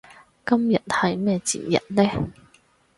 今日係節日咩